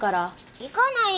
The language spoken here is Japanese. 行かない！